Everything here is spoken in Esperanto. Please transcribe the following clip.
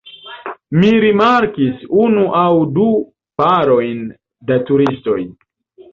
Mi rimarkis unu aŭ du parojn da turistoj.